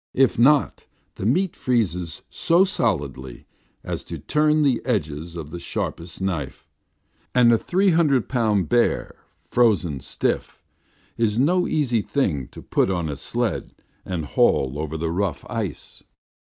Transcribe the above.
If not, the meat freezes so solidly as to turn the edge of the sharpest knife, and a three hundred pound bear, frozen stiff, is no easy thing to put upon a sled and haul over the rough ice.